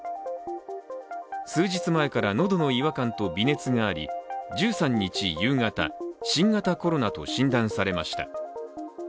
数日前から喉の違和感と微熱があり１３日夕方、新型コロナと診断されました。